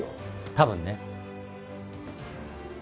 多分ね。